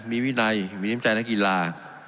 มีวินัยมีนิ้มใจในกีฬา